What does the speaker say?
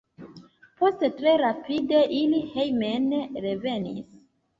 Poste tre rapide ili hejmen revenis.